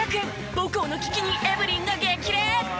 母校の危機にエブリンが激励！